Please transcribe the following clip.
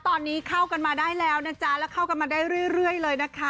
ตอนนี้เข้ากันมาได้แล้วนะจ๊ะแล้วเข้ากันมาได้เรื่อยเลยนะคะ